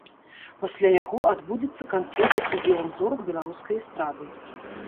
Пасля яго адбудзецца канцэрт з удзелам зорак беларускай эстрады.